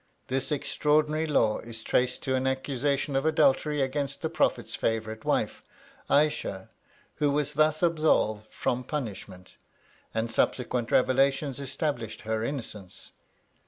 This extraordinary law is traced to an accusation of adultery against the Prophet's favorite wife "Aïsheh," who was thus absolved from punishment, and subsequent revelations established her innocence.